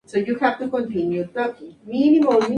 El Doctor y Bill persiguen a Spider y Kitty lejos de la feria.